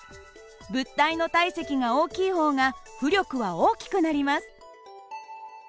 物体の体積が大きい方が浮力は大きくなります。